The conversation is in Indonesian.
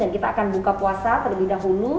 dan kita akan buka puasa terlebih dahulu